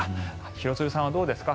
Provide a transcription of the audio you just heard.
廣津留さんはどうですか。